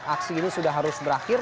aksi ini sudah harus berakhir